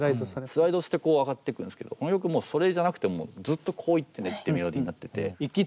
スライドして上がってくんですけどこの曲もうそれじゃなくてずっとこういっていってメロディーになってて。